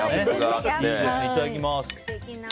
いただきます。